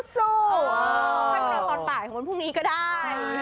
ท่านรอตอนบ่ายของวันพรุ่งนี้ก็ได้